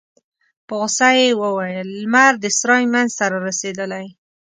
په غوسه يې وویل: لمر د سرای مينځ ته رارسيدلی.